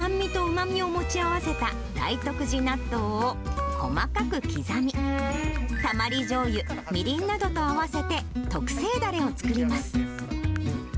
赤みそを香ばしくしたような独特の酸味とうまみを持ち合わせた大徳寺納豆を、細かく刻み、たまりじょうゆ、みりんなどと合わせて、特製だれを作ります。